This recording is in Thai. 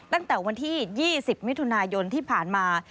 ตั้งแต่วันที่๒๐มิถุนายนที่ผ่านมา